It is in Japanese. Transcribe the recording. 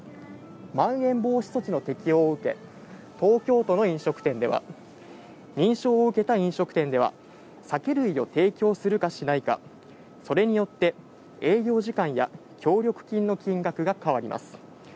まん延防止措置の適用を受け、東京都の飲食店では、認証を受けた飲食店では、酒類を提供するかしないか、それによって営業時間や協力金の金額が変わります。